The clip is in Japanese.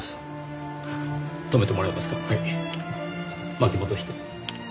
巻き戻して。